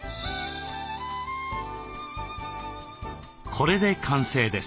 これで完成です。